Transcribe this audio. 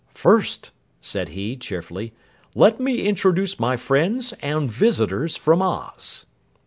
"First," said he cheerfully, "let me introduce my friends and visitors from Oz."